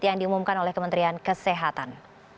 yang diumumkan oleh kementerian kesehatan